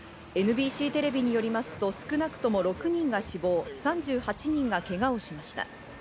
ＮＢＣテレビによりますと少なくとも６人が死亡、３８人がけがをしました。